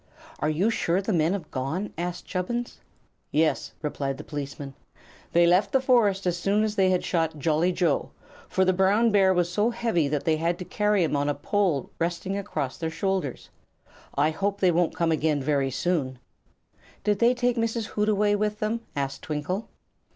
"Are you sure the men have gone?" asked Chubbins. "Yes," replied the policeman; "they left the forest as soon as they had shot Jolly Joe, for the brown bear was so heavy that they had to carry him on a pole resting across their shoulders. I hope they won't come again very soon." "Did they take Mrs. Hootaway with them?" asked Twinkle.